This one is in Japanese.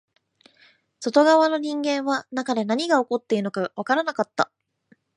外側の人間は中で何が起きているのかわからなかった